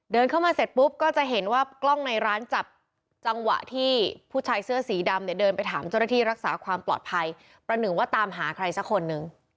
เดินเข้ามาเสร็จปุ๊บก็จะเห็นว่ากล้องในร้านจับจังหวะที่ผู้ชายเสื้อสีดำเนี่ยเดินไปถามเจ้าหน้าที่รักษาความปลอดภัยประหนึ่งว่าตามหาใครสักคนนึง